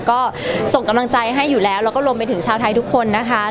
ก็ส่งกำลังใจให้อยู่แล้วแล้วก็รวมไปถึงชาวไทยทุกคนนะคะ